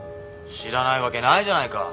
知らないわけないじゃないか。